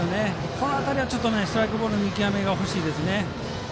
この辺りはストライクとボールの見極めが欲しいですね。